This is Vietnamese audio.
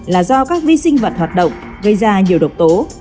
là do các vi sinh vật hoạt động gây ra nhiều độc tố